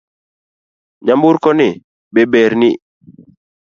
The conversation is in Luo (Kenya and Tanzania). Nyamburko ni be ber ni?